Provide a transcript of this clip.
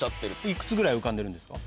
幾つぐらい浮かんでるんですか？